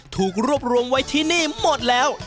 ถูกรวบรวมไว้ที่นี่หมดแล้ว